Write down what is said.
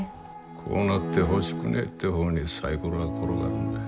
こうなってほしくねえって方にサイコロは転がるんだ。